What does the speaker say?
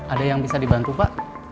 ada yang bisa dibantu pak